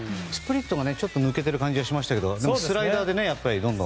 スプリットが抜けてる感じがしましたけどスライダーでね。